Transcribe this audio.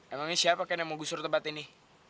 emang ini siapa ken yang mau gusur tempat ini